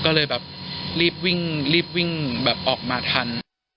ก็เลยแบบรีบวิ่งรีบวิ่งแบบออกมาทัน